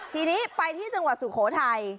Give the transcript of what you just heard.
ทีนี้ไปที่จังหวัดสุโขทัย